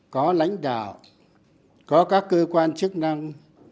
có lãnh đạo có các cơ quan chức năng